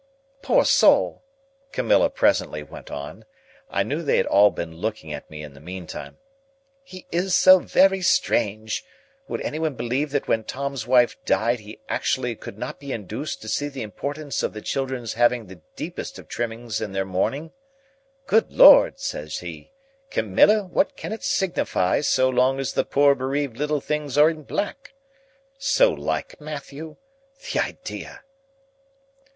"Poor soul!" Camilla presently went on (I knew they had all been looking at me in the mean time), "he is so very strange! Would anyone believe that when Tom's wife died, he actually could not be induced to see the importance of the children's having the deepest of trimmings to their mourning? 'Good Lord!' says he, 'Camilla, what can it signify so long as the poor bereaved little things are in black?' So like Matthew! The idea!"